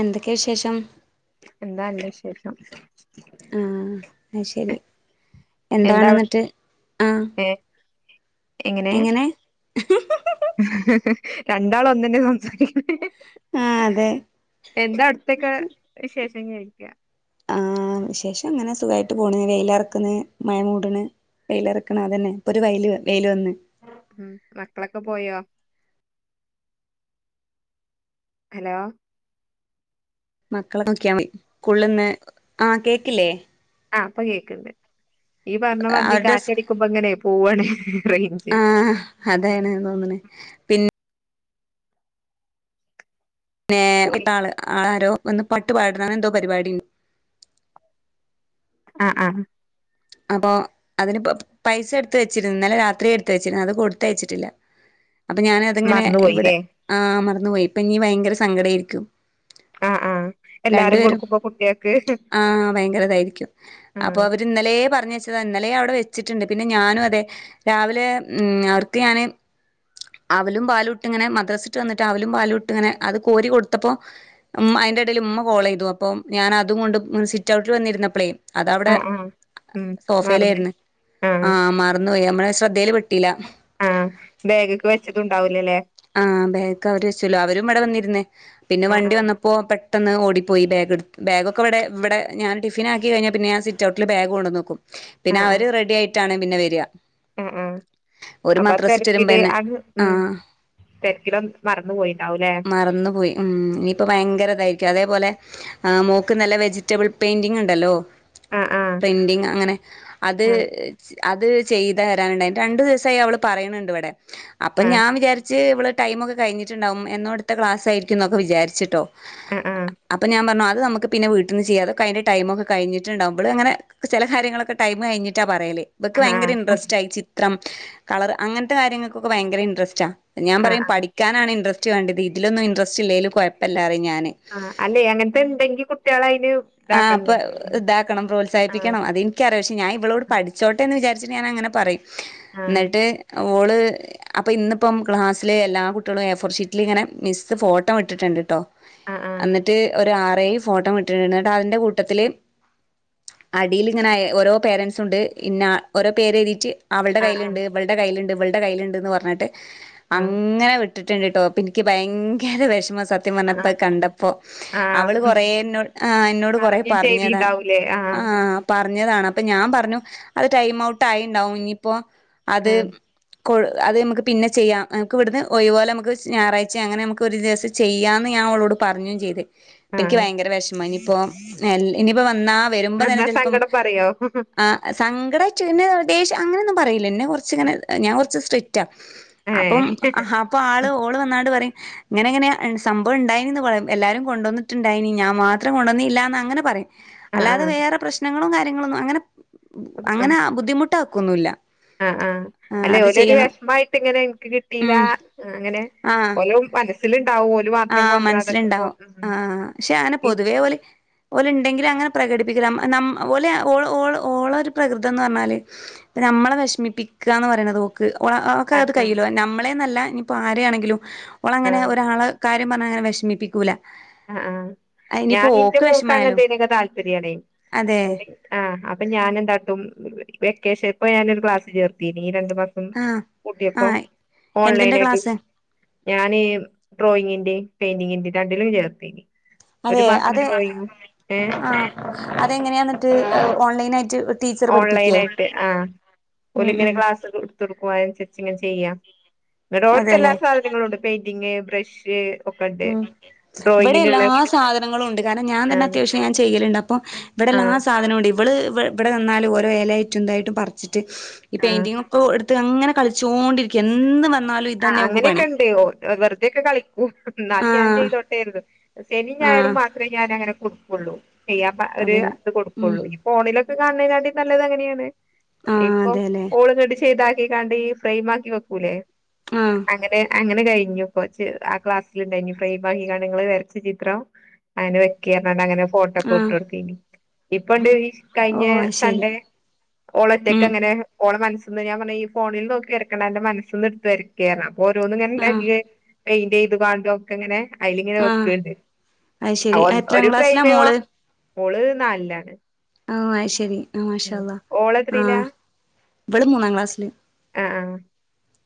എന്തൊക്കെയാ വിശേഷം എന്താ നല്ല വിശേഷം ആഹ് അയ്ശരി എന്താ എന്താണ് അവി ന്ന്ട്ട് ആഹ് ഏ എങ്ങനെ രണ്ടാള് ഒന്നന്നെ സംസാരി ആഹ് അതെ എന്താ അവ്ട്തൊക്കെ വിശേഷം ചോയിക്ക ആഹ് വിശേഷം അങ്ങനെ സുഖായിട്ട് പോണ് വെയിലറക്ന്ന് മഴ മൂട്ണ് വെയിലറക്ണ് അതന്നെ ഇപ്പൊ ഒരു വെയില് വയിയില് വന്ന് ഉം മക്കളൊക്കെ പോയോ ഹലോ മക്കളെ നോക്കിയാ [unintelligible] ആഹ് കേക്കില്ലേ ആഹ് പ്പൊ കേക്ണ്ട് ഈ പറഞ്ഞ മാതിരി അവരുടെ സ് കാറ്റടിക്കുമ്പോ ങ്ങനെ പൂവാണ് റെയ് ആഹ് അതാണ് തോന്ന്ണ് പിന്നെ നേ വിട്ട പോയി ആള് ആളാരോ ഒന്ന് [unintelligible] എന്തോ പരിപാടി ആഹ് ആഹ്. അപ്പൊ അതിനിപ്പോ പൈസ എടുത്ത് വെച്ചിരുന്നു ഇന്നലെ രാത്രി എടുത്ത് വച്ചിരുന്നു അത് കൊടുത്തയച്ചിട്ടില്ല. അപ്പൊ ഞാൻ അതങ്ങനെ മറന്നു ഇവിടെ പോയില്ലേ ആഹ് മറന്നു പോയി ഇപ്പൊ ഇനി ഭയങ്കര സങ്കട ആയിരിക്കും. ആഹ് ആഹ് എല്ലാരും കൊടുക്കുമ്പോ കുട്ടികക്ക് ആഹ് ഭയങ്കരതായിരിക്കും അപ്പൊ അവര് ഇന്നലെ പറഞ്ഞ വെച്ചതാ ഇന്നലെ അവിടെ വെച്ചിട്ടുണ്ട് പിന്നെ ഞാനും അതെ രാവിലെ ഉം അവർക്ക് ഞാന് അവലും പാലും ഇട്ടിങ്ങനെ മദ്രസ്സിട്ട് വന്നിട്ട് അവലും പാലും ഇട്ടിങ്ങനെ അത് കോരി കൊടുത്തപ്പോ ഉം അതിന്റെ ഇടയിൽ ഉമ്മ കോൾ ചെയ്തു അപ്പൊ ഞാൻ അതും കൊണ്ട് സിറ്റ് ഔട്ടിൽ വന്നിരുന്നപ്പളെ അത് അവിടെ ആഹ് സോഫയിലായിരുന്നു ആഹ് മറന്നു പോയി നമ്മള് ശ്രദ്ധയിൽ പെട്ടില്ല. ആഹ് ബാഗക്കെ വെച്ച ആഹ് ബാഗോക്കെ അവര് വെച്ചല്ലോ അവരും ഇവിടെ വന്നിരുന്ന് പിന്നെ ആ ആ വണ്ടി വന്നപ്പോ ഇപ്പോ പെട്ടെന്ന് ഓടിപ്പോയി ബാഗ് ബാഗൊക്കെ ഇവിടെവിടെ ഞാൻ ടിഫിനാക്കി കഴിഞ്ഞാ പിന്നെ ഞാ സിറ്റ് ഔട്ടിൽ ബാഗ് കൊണ്ടൊന്ന് വെക്കും പിന്നെ അവര് റെഡി ആയിട്ടാണ് പിന്നെ വരിക ഉം ഉം ഓര് അപ്പൊ മദ്രസ വിട്ട് തിരക്കില് വരുമ്പന്നെ ആഹ് ഉം ആഹ് തിരക്കിലും മറന്നു പോയിണ്ടാവൂല്ലേ മറന്നു പോയി. ഇനിയിപ്പ ഭയങ്കര ഇതായിരിക്കും അതേപോലെ മോക്ക് നല്ല വെജിറ്റബിൾ പെയിൻറിങ് ഉണ്ടല്ലോ ആഹ് ആഹ് പ്രിന്റിങ് അങ്ങനെ അത് അത് ചെയ്ത വരാനുണ്ട് രണ്ടു ദിവസമായി അവള് പറയണണ്ട് ഇവിടെ അപ്പൊ ആഹ് ഞാൻ വിചാരി ച്ച് ഇവള് ടൈമ ഒക്കെ കഴിഞ്ഞിട്ടുണ്ടാവും എന്നോടുത്ത ക്ലാസ് ആയിരിക്കും എന്നൊക്കെ വിചാരിച്ചിട്ടോ. ആഹ് ആഹ് അപ്പൊ ഞാൻ പറഞ്ഞു അത് നമക്ക് പിന്നെ വീട്ടീന്ന് ചെയ്യ അതോ അതിന്റ ടൈം ഒക്കെ കഴഞ്ഞിട്ടുണ്ടാവും ഇവള് ഇങ്ങനെ ചില കാര്യങ്ങളൊക്കെ ടൈം കഴിഞ്ഞിട്ടാ പറയല് ഇവക്ക് ആഹ് ആഹ് ഭയങ്ക ആഹ് ഇൻറസ്റ്റയി ചി ത്രം കളർ അങ്ങനത്തെ കാര്യങ്ങൾക്കൊക്കെ ഭയങ്കര ഇൻട്രസ്റ്റ ഞാൻ ആഹ് പറയും ആഹ് പഠിക്ക ക്കാനാണ് ഇൻറസ്റ്റ് വേണ്ടത് ഇതിലൊന്നും ഇൻട്രസ്റ്റ് ഇല്ലേലും കുഴപ്പല്ലാ പറയും ഞാന് ആഹാ അല്ലെ അങ്ങനത്തെ ഇണ്ടെങ്കി കുട്ടികള അയിന് ആഹ് ഇതാക്കണം അപ്പൊ നമ്മള് ഇതാക്കണം ആഹ് പ്രോത്സാഹിപ്പിക്കണം അതി ക്കറിയ പക്ഷെ ഞാൻ ഇവളോട് പഠിച്ചോട്ടെ എന്ന് വിചാരിച്ചിട്ട് ഞാൻ അങ്ങനെ പറയും ആഹ് ന്നിട്ട് ഓള് അപ്പം ഇന്നിപ്പം ക്ലാസ്സില് എല്ലാ കുട്ടികളും എഫോർച്ചീറ്റിലിങ്ങനെ മിസ് ഫോട്ടോ ഇട്ടിട്ടുണ്ട് ട്ടോ ആഹ് ആഹ് ന്നിട്ട് ഒരു ആറ് ഏഴ് ഫോട്ടോ വിട്ടിട്ടുണ്ട് എന്നിട്ട് അയിന്റെ കൂട്ടത്തില് അടീൽ ഇങ്ങനെ ഓരോ പേരന്റസ് ഉണ്ട് ഇന്നാ ഓരോ പേരെ എഴുതിട്ട് അവളുടെ ആഹ് കയ്യിലുണ്ട് ആഹ് ഇവളടെ കയ്യിലുണ്ട് ഇവളടെ കയ്യിലുണ്ട്ന്ന് പറഞ്ഞിട്ട് ആഹ് അങ്ങനെ വി ഇട്ടിട്ടുണ്ടിട്ടോ എനിക്ക് ഭയങ്കര വിഷമ സ സത്യം പറഞ്ഞ ഇപ്പ അത് ആഹ് കണ്ടപ്പോ അവള് ആഹ് കൊറേ ന്നി ഇന്നോട് കൊറേ പറഞ്ഞും പറഞ്ഞത ചെയ്തിണ്ടാവൂലേ ആഹ് ആഹ് പറഞ്ഞതാണ് അപ്പൊ ഞാൻ പറഞ്ഞു അത് ടൈം ഔട്ട് ആയിണ്ടാവും ഇനിയിപ്പോ അത് ആഹ് കൊ അത് നമുക്ക് പിന്നെ ചെയ്യാം നമുക്ക് ഇവിടുന്ന് ഒഴിവ് പോലെ നമുക്ക് ഞായറാഴ്ച അങ്ങനെ നമുക്ക് ഒരു ദിവസം ചെയ്യാന്ന് ഞാ അവളോട് പറഞ്ഞും ചെയ്ത് ഇനിക്ക് ആഹ് ഭയങ്കര വിഷമ ഇനിയിപ്പോ ഇനിയിപ്പോ വന്നാ വരുമ്പോ തന്നെ എന്നാ ചിലപ്പം സങ്കടം പറയോ ആഹ് സങ്കടായിട്ട് പിന്നെ ദേഷ്യം അങ്ങനെ ഒന്നും പറയില്ല എന്നെ കുറച്ചിങ്ങനെ ഞാൻ കുറച്ച് സ്ട്രിക്റ്റാ അപ്പം ഏഹ് അപ്പൊ ആള് ഓള് വന്നാണ്ട് പറയും ഇങ്ങനെ ഇങ്ങനെ സംഭവം ഉണ്ടായിന്ന് എല്ലാരും കൊണ്ടുവന്നിട്ടുണ്ടായിനിം ഞാൻ മാ മാത്രം കൊണ്ടുവന്നില്ലാന്ന് അങ്ങനെ പറയും ആഹ് അല്ലാതെ ആഹ് വേറെ പ്രശ്നങ്ങളും കാര്യങ്ങളൊന്നും അങ്ങനെ അങ്ങനെ ബുദ്ധിമുട്ട് ആക്കൊന്നില്ല ആഹാ ആഹാ അല്ലെ ഓല ഒരു വിഷമമായിട്ട് ഇങ്ങനെ എനിക്ക് കിട്ടീലാ ഉം അങ്ങനെ ഓലും മനസ്സില് ഉണ്ടാവു ആഹാ മനസ്സിലുണ്ടാവും ആഹാ പക്ഷെ അങ്ങനെ ഉം പൊതുവേ ഓല് ഓലെ ഉണ്ടെങ്കിലും അങ്ങനെ പ്രകടിപ്പിക്കൂല ഓലെ ഓള് ഓള് ഓള ഒരു പ്രകൃതംന്ന് പറഞ്ഞാല് നമ്മളെ വിഷമിപ്പിക്കാന്ന് പറയണ ഒക്കെ അത് ആഹ് കയ്യില്ലോ നമ്മളെന്നല്ല ഇനിപ്പോ ആര ആണെങ്കിലും ഓള അങ്ങനെ ആഹ് ഒരാളെ കാര്യം പറഞങ്ങനെ വിഷമിപ്പിക്കൂല്ല ആഹാ ആഹാ ഞാൻ ഇന്റെ മോക്ക് വെഷമായാലും അങ്ങനത്തെനൊക്കെ താല്പര്യണ് അതെ ആഹ് അപ്പോ ഞാനെ എന്താട്ടും വെക്കേഷൻ ഇപ്പ ഞാനൊരു ക്ലാസ് ചേർത്തീനിം ഈ രണ്ടു മാസം ആഹ് പൂട്ടിയപ്പോ ആഹ് എന്തിന്റെ ഓൺലൈനായിട്ട് ക്ലാസ് ഞാന് ഡ്രോയിങ്ങിന്റെയും പെയിന്റിങ്ങിന്റെയും രണ്ടിലും ചേർത്തീനിം ഒരു അതെ മാസം അതെ പോയിന്നു ഏ ആഹ് അതെങ്ങനെയാന്നിട്ട് ഓൺലൈൻ ആയിട്ട് ഓൺലൈൻ ആയിട്ട് ഓല് ഉം ഇങ്ങനെ ഉം ക്ലാസ് [unintelligible] ഇങ്ങനെ ചെയ്യാം ഇന്നിട്ട് ഓൾക്ക് എല്ലാ അതെല്ലേ സാധനങ്ങളുംണ്ട് പെയിന്റിങ് ബ്രഷ് ഒക്കെണ്ട് ഉം ഇവിടെ എല്ലാ ഡ്രോയിങ്ങിനുള്ള സാധനങ്ങളും ഇണ്ട് കാരണം ഞാൻ തന്നെ ആഹ് അത്യാവശ്യം ഞാൻ ചെയ്യലുണ്ട് അപ്പ്പോ ഇവിടെല്ലാ ആഹ് സാധനവുംണ്ട് ഇവള് ഇ ഇവിടെന്നാലും ഓരോ ഇലയായിറ്റും എന്തായിട്ടും പറിച്ചിട്ട് ഈ ആഹ് പെയിന്റ്റിംഗ് ഓ എടുത്ത് അങ്ങനെ കളിച്ചോണ്ടിരിക്കും എന്ത് വന്നാല ആഹാ അങ്ങനൊക്ക ഉണ്ട് ഓ വെറുതേക്കെളിക്ക എന്നാലും ഞാൻ ആഹ് ചെയ്തോട്ടേരുതും ശനി ഞായറും ആഹ് മാത്രമേ ഞാൻ അങ്ങനെ കൊടുക്കുള്ളൂ ചെയ്യാൻ ഒരു അതന്നെ അത് ഉം കൊടുക്കുള്ളൂ ഈ ഫോണിലൊക്കെ കണീങ്കാട്ടി നല്ലത് അങ്ങനെയാണ് ആഹ് ഇപ്പോ അതെല്ലേ ഓള്ങ്ങിട്ട് ചെയ്താക്കികണ്ട് ഫ്രെയിം ആക്കി വെക്കൂലേ ആഹാ അങ്ങനെ അങ്ങനെ കഴിഞ്ഞു ഇച്ച് ആ ക്ലാസ്സൽണ്ടായിഞ്ഞു ഫ്രായിമായി ഇങ്ങള് വരച്ച ചിത്രം അങ്ങനെ വെക്കിം പറഞ്ഞണ്ട് അങ്ങനെ ഫോട്ടോ ട്ടോ ആഹ് വിട്ടോട്ത്തീനിം ഇപ്പ ഇണ്ട് ഈ ഓ കഴിഞ്ഞ അത് ശരി സൺഡേ ഓള് ഉം ഒറ്റയ്ക്ക്ങ്ങനെ ഓള് മനസിന്ന് ഞാൻ പറഞ്ഞ് ഈ ഫോണിൽ നോക്കി കിടക്കണ അന്റെ മനസിന്ന് എടുത്ത് വരയ്ക്ക്. കേറണം അപ്പൊ ഓരോന്ന് ഇങ്ങനെ ആഹ് ഇണ്ടാക്കി പെയിന്റ് ചെയ്ത് കാണ്ടോ. ഇങ്ങനെ അയില് ഇങ്ങനെ ആഹ് വെക്കണ്ട് അത് ശരി എത്രാം ഒരു ക്ലാസ്സിലാ ഫ്രെയിമേ മോള് ഓള് നാലിലാണ്. ആഹ് അത് ശരി ആഹ് മാഷാ അള്ളാ ഓളെത്രീലാ ആഹ് ഇവള് മൂന്നാം ക്ലാസ്സില്. ആഹ്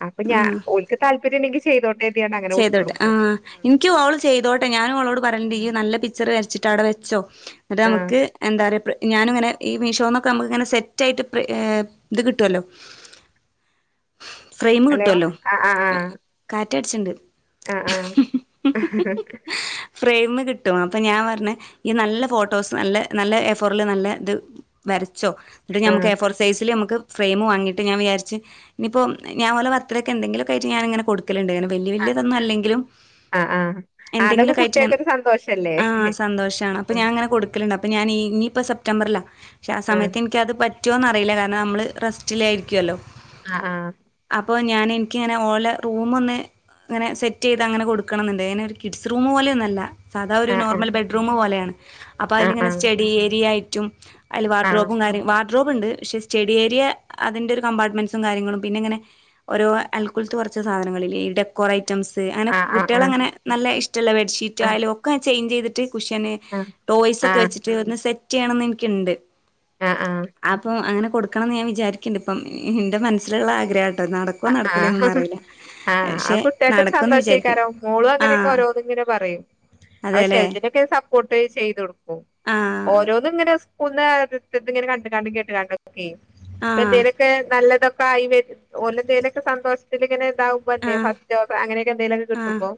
ആഹ് അപ്പോ ഞാൻ ഓലുക്ക് താല്പര്യം ഇണ്ടെങ്കി ചെയ്തോട്ടെന്ന്. ചെയ്തോട്ടെ ആഹ് എനിക്കും ഓള് ചെയ്തോട്ടെ ഞാനും ഓളോട് പറയലുണ്ട് ഇയ് നല്ല പിക്ചർ വരച്ചിട്ട്. അവിടെ വെച്ചോ അന്നിട്ട് ആഹ് നമുക്ക് എന്താ പറയാ ഞാനിങ്ങനെ ഈ മീഷോന്നൊക്കെ നമുക്ക് ഇങ്ങനെ സെറ്റ് ആയിട്ട് ഇത് കിട്ടുവല്ലോ. ഫ്രെയിമ് ഹലോ കിട്ടുവല്ലോ ആഹ് ആഹ് കാറ്റ് അടിച്ചണുണ്ട്. ആഹ് ആഹ്. ഫ്രെയിം കിട്ടും അപ്പോ ഞാൻ പറഞ്ഞ് ഈ നല്ല ഫോട്ടോസ് നല്ല നല്ല എ ഫോറില് നല്ല ഇത്. വരച്ചോ എന്നിട്ട് ആഹ് നമുക്ക് ആഹ് എഫോർ സൈസില് നമുക്ക് ഫ്രെയിം വാങ്ങിയിട്ട് ഞാൻ വിചാരിച്ച്. ഇനിയിപ്പോ ഞാൻ ഓലെ ബർത്തിഡേ എന്തെങ്കിലുംമൊക്കെ ആയിട്ട് ഞാനങ്ങനെ കൊടുക്കലുണ്ട് അങ്ങനെ വലിയ വലിയതൊന്നുമല്ലെങ്കിലും. ആഹ് ആഹ് എന്തെങ്കിലും അതൊക്കെ ഒക്കെ ആയിട്ടിങ്ങനെ കുട്ടികക്കൊരു സന്തോഷല്ലേ ആഹ് സന്തോഷാണ് അപ്പോ ആഹ് ഞാൻ ഇങ്ങനെ കൊടുക്ക ടുക്കല്ണ്ട് അപ്പോ ഞാന് ഇനിയിപ്പം സെ്റ്റംബറിലാ ആഹ് സമയത്ത് എനി നിക്കതു പറ്റുമോന്ന്റിയില്ല കാരണം നമ്മള് റെസ്റ്റിലാ ആയിരിക്കുമല്ലോ. ആഹ് ആഹ്. അപ്പോൾ ഞാൻ എനിക്കിങ്ങനെ ഓലെ റൂമ് ഒന്ന്. അങ്ങനെ സെറ്റ് ചെയ്ത് അങ്ങനെ കൊടുക്കണം എന്ന് ഉണ്ട് ഒരു കിഡ്സ്റൂം പോലെയൊന്നുമല്ല. സാധാ ഒരു ആഹ് ആഹ് നോർമൽ ബെഡ്റൂം പോലെയാണ് അപ്പോ ആഹ് അതിലങ്ങനേ ആഹ് സ്റ്റഡിഏരിയ ആയിട്ടും അതില് ആഹ് വാർഡ്രോബും കാര്യങ്ങ വാർഡ്രോബ് ഉണ്ട് പക്ഷേ സ്റ്റഡി ഏരിയ അതിന്റെ. ഒരു കമ്പാർട്ട്മെന്റ്സും കാര്ങ്ങളും പിന്നെ ഇങ്ങനെ. ഓരോ അൽക്കുലത്ത് കുറച്ച് സാധനങ്ങളില്ലേ ഇവിടെ കുറേ ഐറ്റംസ് അങ്ങനെ ആഹ് കുട്ടികള് ആഹ് അങ്ങനെ നല്ല ഇഷ്ടമുള്ള ആഹ് ബെഡ്ഷീറ്റയാലും ഒക്കെ ചേഞ്ച് ചെയ്തിട്ട് കുഷ്യന്. ആഹ് ടോയ്സ് ഒക്കെ ആഹ് വെച്ചിട്ട് ഒന്ന് സെറ്റ് ചെയ്യണന്ന് എനക്കുണ്ട്. ആഹ് ആഹ്. അപ്പം അങ്ങനെ കൊടുക്കണം എന്ന് ഞാൻ വിചാരിക്കുന്നുണ്ട് ഇപ്പം എന്റെ മനസ്സിലുള്ള ആഗ്രഹാട്ടോ നട ആഹ് ആഹ്. കുട്ടികള്ക്ക് ഒരു നടക്കുംന്ന് വിചാരിക്ക്ണ്ട് സന്തോഷക്കാരോ മോളും അങ്ങനെയൊക്കെ ആഹ് ഓരോന്ന് ഇങ്ങനെ പറയും. അപ്പൊ അതെല്ലേ ചെലതിനൊക്കെ സപ്പോർട്ട് ചെയ്ത് കൊടുക്കും ഓ ആഹ് ഓരോന്ന് ഇങ്ങനെ കണ്ട് കാണ്ടുംകേട്ടു കാണ്ടും ഒക്കെ ആഹ് എന്തേലൊക്കെ നല്ലതൊക്കെ. ഒക്കെ ആയി വരും ഓല് എന്തേലൊക്കെ സന്തോഷത്തില് ഇങ്ങനെ. ആവുമ്പോല്ലെ ആഹ് ഫസ്റ്റ് അങ്ങനൊക്കെ എന്തെലും ഒക്കെ ആഹ് കിട്ടുമ്പോ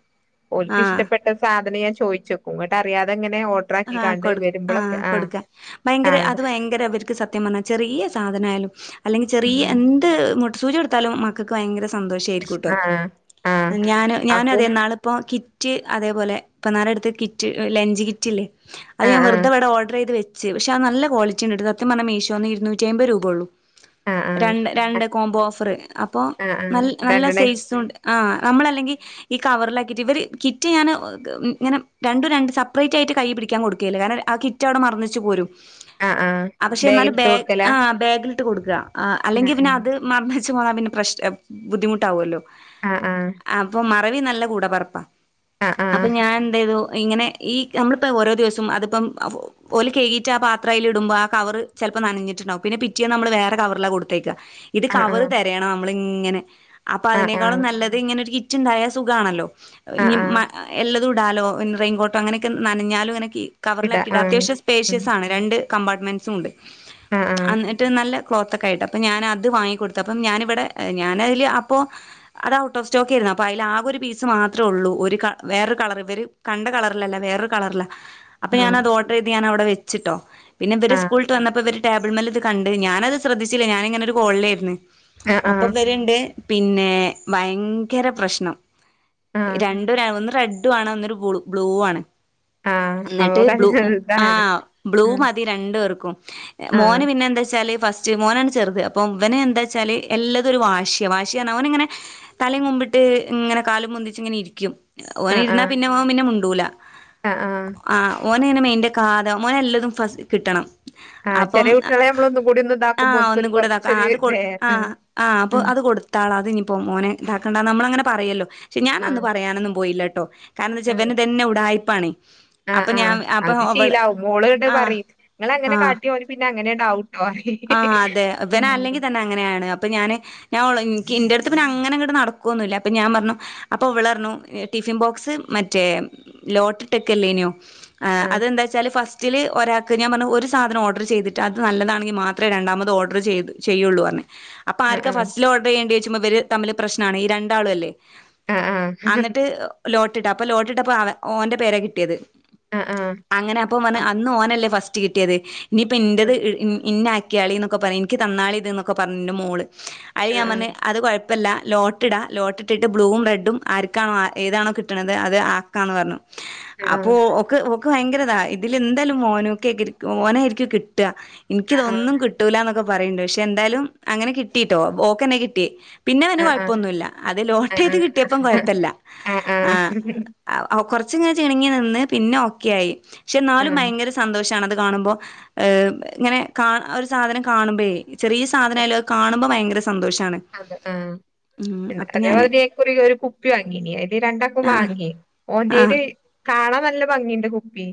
ഓല്ക്ക് ആഹ് ഇഷ്ടപ്പെട്ട സാധനം ഞാൻ ചോദിച്ചു. അങ്ങോട്ട് അറിയാതെങ്ങെനെ ഒ ആഹ് കൊടുക്കും ആഹ് കൊടുക്കാൻ ഭയങ്കര ആഹ് അത് ഭയങ്കര ഇവരുക്ക്. സത്യം പറഞ്ഞാൽ ചെറിയ സാധനായാലും അല്ലെങ്കിൽ ചെറിയ ഉം എന്ത് മൊട്ടുസൂചി കൊടുത്താലും മക്ക ക്കക്ക് ഭയങ്കര സന്തോഷമായിരിക്കൂട്ടോ ആഹ് ആഹ് ഞാനും ഞാൻ അപ്പൊ ഇന്നാള്. ഇപ്പോൾ കിറ്റ് അതേപോലെ ഇപ്പോന്നാരെ അടുത്ത് കിറ്റ് ലഞ്ച് കിറ്റില്ലേ. അത് ഞാൻ ആഹ് വെറുതെ ഓർഡറ് ചെയ്ത് വെച്ച് പക്ഷെ അത് നല്ല കോളിറ്റി ഉണ്ട് സത്യം പറഞ്ഞാ മീഷോന്ന് ഇരൂനൂറ്റി അമ്പത് രൂപയുള്ളൂ. ആഹ് ആഹ് രണ്ട് രണ്ട് ആഹ് കോംബോ ഓഫറ് അപ്പൊ ആഹ് ആഹ് ന ആഹ് നല്ല രണ്ടെണ്ണേ സയിസ് ഉണ്ട്. ആഹ് നമ്മളല്ലെങ്കിൽ. ഈ കവറിലാക്കിയിട്ട് ഇവര് കിറ്റ് ഞാന് ഇങ്ങനെ രണ്ടും രണ്ടും സെപ്പറേറ്റ് ആയിട്ട് കൈ പിടിക്കും. ഞാൻ പിടിക്കാൻ കൊടുക്കുവേല കാരണം ആ കിറ്റ് അവിടെ മറന്ന് വച്ചു പോരും ആഹ് ആഹ് പക്ഷെ എന്നാലും ബാഗിലിട്ട് ബാഗ് കൊടുക്കലാ ആഹ് ബാഗിലിട്ട് ലിട്ട് കൊടുക്കുക അല്ലെങ്കിൽ ആഹ് പിന്നെ അത് മറന്ന വച്ച് പോന്ന പിന്നെ പ്രശ് ബുദ്ധിമുട്ടാവുല്ലോ. ആഹ് ആഹ്. അപ്പൊ മറവി നല്ല കൂട പിറപ്പാ ആഹ് അപ്പൊ ആഹ് ഞാൻ എന്തോ ചെയ്തു ഇങ്ങനെ ഈ നമ്മളിപ്പോ ഓരോ ദിവസം അതിപ്പം. ഓല് കഴകിയിട്ട് ആ പാത്രം അയില് ഇടുമ്പോ ആഹ് കവർ ചിലപ്പോ നനഞ്ഞിട്ടുണ്ടാവും പിന്നെ പിറ്റേന്ന് നമ്മള് വേറെ കവറിലാ കൊടുത്ത് അയക്കാ. ഇത് ആഹ് കവറ് ആഹ് തെരയണം നമ്മൾ ഇങ്ങനെ അപ്പൊ ആഹ് അതിനേക്കാളും ആഹ് നല്ലത് ഇങ്ങനെ ഒരു കിറ്റ് ഉണ്ടായാ സുഖാ ആണല്ലോ. ഇനി ആഹ് ആഹ് എല്ലതും ഇടാലോ റെയിൻകോട്ടോ അങ്ങനെയൊക്കെ നനഞ്ഞാലും അനക്കി. ഇടാ കവറിലാക്കിയിട്ട് ആഹ് അത്യാവശ്യം ഉം സ്പേഷ്യസ് ആണ് രണ്ട് കമ്പാർട്ട്മെന്റ്സും ഉണ്ട് ആഹ് ആഹ് എന്നിട്ട് നല്ല ക്ലോത്ത്ക്കൊയിട്ട് അപ്പപ്പോ ഞാന് അത് വാങ്ങിക്കൊടുത്തു അപ്പം ഞാന് ഇവിടെ ഞാനതില് അപ്പോ അത് ഔട്ട് ഓഫ് സ്റ്റോക്ക് ആയിരുന്നു അപ്പൊ അതിൽ ആകെ ഒരു പീസ് മാത്രേള്ളൂ ഒരു കള വേറൊരു കളർ ഇവര് കണ്ട കളറിലല്ല വേറൊരു കളറല്ല അപ്പൊ ആഹ് ഞാന് അത് ഓർഡർ ചെയ്ത് ഞൻ അവിടെ വെച്ചിട്ടോ പിന്നെവര് ആഹ് സ്കൂള്ട്ട് വന്നപ്പോ ഇവര് ടേബിൾമേല് ഇത് കണ്ട് ഞാനത് ശ്രദ്ധിച്ചില്ല ഞാാനിങ്ങനെ ഒരു കോളിലായിരുന്നു ആഹ് അപ്പം ആഹ് വരണ്ട് പിന്നെ ഭയങ്കര പ്രശ്നം ആഹ് ര ഒന്ന് റെഡും ആണ് ഒരു ബ്ലൂ ആണ് ആഹ് എന്നിട്ട് ബ്ലൂ അവകാശം ചെറുതാണ് ആഹ് ബ്ലൂ ഉം മതി രണ്ടു പേർക്കും ആഹ് മോന് പിന്നെ എന്താ വെച്ചാല് ഫസ് മോനാണ് ചെറുത് അപ്പം അവന് എന്താ വെച്ചാല് എല്ലാതും ഒരു വാശിയ വാശിയാണ് അവൻ ഇങ്ങനെ തലയും കൊമ്പിട്ട് ഇങ്ങനെ കാലും പൊന്തിച്ചു ഇങ്ങനെ ഇരിക്കും ഓന് ആഹ് ഇരുന്നാ ആഹ് പിന്നെ ഓൻ പിന്നെ മുണ്ടൂല ആഹ് ഓന് ഇനെ മേയിന്റെ കാത ഓന് എല്ലതും ഫസ് കിട്ടണം ആഹ് അപ്പം ചെറിയ കുട്ടികളെ നമ്മളൊന്നും കൂടി ഒന്ന് ഇതാക്കുമ്പോ ആഹ് ഒന്നും ഓൽക്കൊരു കൂടെതാക്ക ആഹ് കൊറച്ചൊരു അത് ഇതേ ആ ആഹ് അപ്പൊ ഉം അത് കൊടു ഇത്താള അത് ഇനി ഇപ്പോ മോന് ഇതാക്കണ്ടാന്ന് നമ്മള അങ്ങനെ പറയല്ലോ പക്ഷെ ഞാനൻ അന്ന് ആഹ് പറയാനൊന്നും പോയില്ലെട്ടോ കാരണംന്താ ആഹ് വച്ചാൽവനെ തന്നെ ഇടയായ്പാണാണ് ആഹ് ആഹ് അത് ശീലവും മോള് കണ്ട് ആ പറയും നിങ്ങള് അങ്ങനെ ആ കാട്ടിയോ പിന്നെ അങ്ങനെ ആവുട്ടോ ഹ് ഹ് ആഹ് അതെ വന് അല്ലെങ്കിൽ തന്നെ അങ്ങനെയാണ് അപ്പൊ ഞാന് ഓള് എന്കി ന്റട്ത് പിന്നെ അങ്ങനെ അങ്ങോട് നടക്കുവൊന്നില്ല അപ്പൊ ഞാൻ പറഞ്ഞു അപ്പൊ വിളർന്നു ടിഫിൻ ബോക്സ് മറ്റേ ലോട്ട് ടെക്ക് എല്ലേനോ ആഹ് അതെന്താ വെച്ചാൽ ഫസ്റ്റിൽ ഒരാക്ക് ഞാൻ പറഞ്ഞു ഒരു സാധനം ഓർടർ ചെയ്തിട്ട് അത് നല്ലതാണെങ്കിൽ മാത്രേ രണ്ടാമത് ഓർഡർ ചെയ്ത് ചെയ്യുള്ളൂ പറഞ്ഞ അപ്പൊ ആഹ് ആർക്ക ആഹ് ഫസ്റ്റില് ഓർഡർ ചെയ്യേണ്ടി ചോയിച് ഇവര് തമ്മില് പ്രശ്നമാണ് ഈ രണ്ടാളും അല്ലേ ആഹ് ആഹ് അന്നട്ട് ലോട്ടിട്ടാ അപ്പൊ ലോട്ടിട്ടപ്പോ അവ ഓന്റെ പേരെ കിട്ടിയത് ആഹ് ആഹ് അങ്ങനെ അപ്പ വന് അന്ന് ഓനല്ലേ ഫസ്റ്റ് കിട്ടിയത് ഇനിയിപ്പ എന്റ ഇന്ന ക്കാളി പറഞ്ഞ് എനിക്ക് താന്നാളി ഇത് എന്നൊക്കെ പറഞ്ഞ് എന്റെ മോള് അളി ആഹ് ഞാ പറഞ്ഞ് ആഹ് അത് കൊഴ് പ്പംല്ല ലോട്ടിടാ ലോട്ടിട്ടിട്ട് ബ്ലൂവും റെഡും ആർക്കാണോ ഏതാണോ കിട്ടണുന്നത് അത് ആക്കാന്ന് പറഞ്ഞു ആഹ് ആഹ് അപ്പോ ഒ ഓക്ക് ഭയങ്കരിതാ ഇതിലെന്തായാലും മോനോക്കെ മോനായിരിക്കും കിട്ടുക എനിക്കതൊന്നും കിട്ട കിട്ടൂലന്നൊക്കെ പറയണ്ട് പക്ഷെ എന്തായാലും അങ്ങനെ കിട്ടിയിട്ടോ ഓക്ക്ന്നെ കിട്ടിയേ പിന്നെ അവന് കൊയപ്പൊന്നുമില്ല അത് ലോട്ട് ആഹ് ചെയ്ത് ആഹ് കിട്ടിയപ്പം കൊയപ്പല്ല ആഹ് ആഹ് ആ കൊറച്ചങ്ങനെ ചിണങ്ങി നിന്ന് പിന്നെ ഓക്കെ ആയി പക്ഷെ എന്നാലും ഭയങ്കര സന്തോഷാണത് കാണുമ്പോ ഹ് ഇങ്ങനെ കാ ഒരു സാധനം കാണുമ്പഴേ ചെറിയ സാധനമായയാലുമത് കാണുമ്പ ഭയങ്കര സന്തോഷാണ് അതെ ആഹ് ഉം അപ്പൊ ഞാന് അതേപോലെയായിക്കുലെ ഒരു കുപ്പി വാങ്ങീന് അത് രണ്ടാക്കാക്കും ആഹ് വാങ്ങി ആഹ് ഓന്റെയില് കാണാൻ നല്ല ഭംഗിണ്ട് കുപ്പി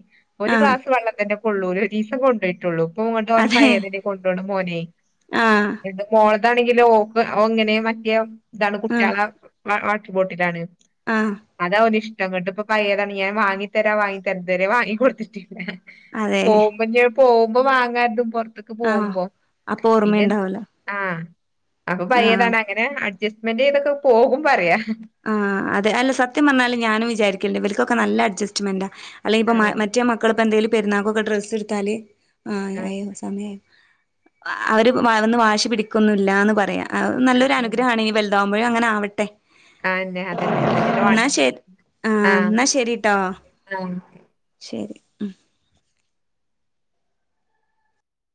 ഒരു ആഹ് ഗ്ലാസ് വെള്ളം തന്നെ കൊള്ളൂല ഒരു ഒരു ദിവസം കൊണ്ടോയിട്ട് ട്ടുള്ളു ഇപ്പൊ ഇങ്ങോട്ട് ഓന് അതെ പയതെന്നെ കൊണ്ടോണം മോനെ ആഹ് ന്നുട്ട് മോളതാണെങ്കിലോ ഒങ്ങനെ മറ്റെയാ ഇതാണ് ആഹ് കുട്ടികളെ വാട്ടർ ബോട്ടിലാണ് ആഹ് അതവന് ഇഷ്ടം ന്ന്ട്ടിപ്പോ പയതാണ് ഞാൻ വാങ്ങിത്തരാന്ന് വാങ്ങിതരാ ഇതരവരെ വാങ്ങി കൊടുത്തിട്ടില്ല അതെ പോകുമ്പോ പോകുമ്പോ വാങ്ങാതും പൊറത്തക്ക് ആഹ് പോകുമ്പോ അപ്പൊ പിന്നെ ഓർമ്മയുണ്ടാവൂല ആഹ് അപ്പൊ ആഹ് പയതാണ് അങ്ങനെ അഡ്ജസ്റ്റ്മെന്റ് ചെയ്തൊക്കെ പോകും പറയാ ആഹ് അതെ അല്ല സത്യം പറഞ്ഞാലും ഞാനും വിചാരിക്കില്ലേ ഇവർക്കൊക്കെ നല്ല അഡ്ജസ്റ്റ്മെന്റാ അല്ലെങ്കിലിപ്പ ആഹ് മറ്റേ മക്കളപ്പോ എന്തെങ്കിലും പെരുന്നാക്കൊക്കെ ഡ്രസ്സ് എടുത്താല് ആ ആഹ് അയോ സമയായോ അവര് വളർന്നു വാശി പിടിക്കൊന്നില്ല എന്ന് പറയാ ആഹ് നല്ലൊരു ആഹ് അനുഗ്രഹണ് ഇനി വളർ താകുമ്പഴും അങ്ങനാവട്ടെ ആന്നെ അതന്നെ അതന്നെല്ലേ എന്നാ വാണ്ടത് ശരി ആ ആഹ് ന്നാ ശരിട്ടോ ആഹ് ശരി ഉം.